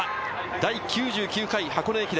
第９９回箱根駅伝。